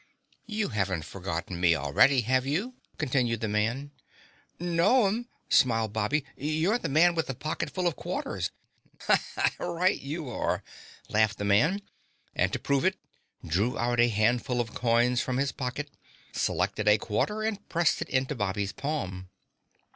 "You haven't forgotten me already, have you?" continued the man. "No'm," smiled Bobby. "You're the Man with the Pocketful of Quarters." "Right you are!" laughed the man and, to prove it, drew out a handful of coins from his pocket, selected a quarter and pressed it into Bobby's palm.